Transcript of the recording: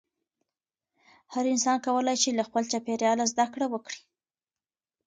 هر انسان کولی شي له خپل چاپېریاله زده کړه وکړي.